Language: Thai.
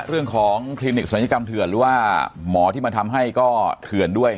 เรื่องของคลินิกสวัสดีกรรมเถือนว่าหมอที่มันทำให้ก็เถือนด้วย